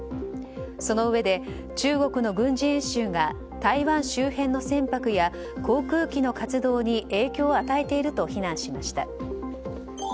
そのうえで、中国の軍事演習が台湾周辺の船舶や航空機の活動に影響を与えていると非難しました。